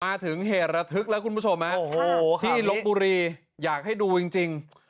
มาถึงเหตุระทึกแล้วคุณผู้ชมที่ลบบุรีอยากให้ดูจริง